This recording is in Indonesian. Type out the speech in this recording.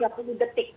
lebih tiga puluh detik